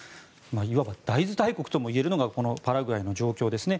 いわば大豆大国ともいえるのがこのパラグアイの状況ですね。